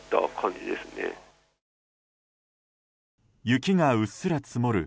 雪がうっすら積もる